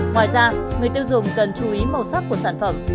ngoài ra người tiêu dùng cần chú ý màu sắc của sản phẩm